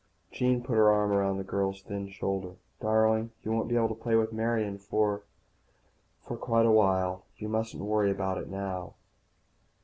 Jean put her arm around the girl's thin shoulder. "Darling, you won't be able to play with Marian for quite a while. You mustn't worry about it now."